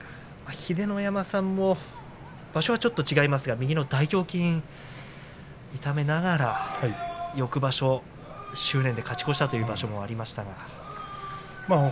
秀ノ山さんも場所はちょっと違いますが大胸筋を痛めて執念で勝ち越したということもありました。